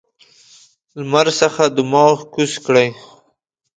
لمر څخه دماغ کوز کړ.